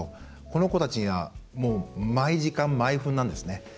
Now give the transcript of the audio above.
この子たちには毎時間、毎分なんですね。